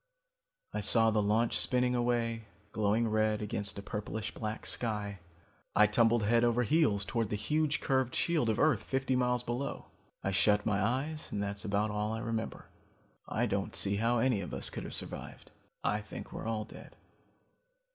"I saw the launch spinning away, glowing red against a purplish black sky. I tumbled head over heels towards the huge curved shield of earth fifty miles below. I shut my eyes and that's about all I remember. I don't see how any of us could have survived. I think we're all dead.